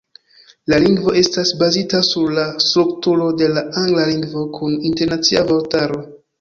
La lingvo estas bazita sur la strukturo de la angla lingvo kun internacia vortaro.